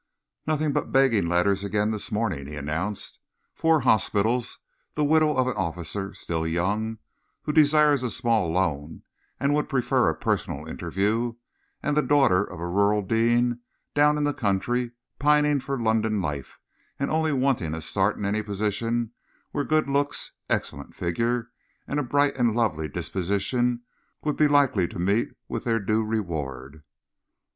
"Nothing but begging letters again this morning," he announced; "four hospitals; the widow of an officer, still young, who desires a small loan and would prefer a personal interview; and the daughter of a rural dean down in the country, pining for London life, and only wanting a start in any position where good looks, an excellent figure, and a bright and loving disposition would be likely to meet with their due reward."